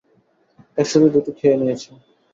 একসাথেই দুটো খেয়ে নিয়েছো।